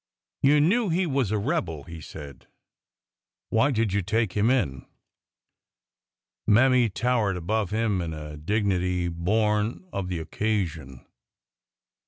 You knew he was a rebel," he said. Why did you take him in ?" Mammy towered above him in a dignity born of the occasion.